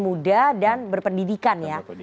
muda dan berpendidikan ya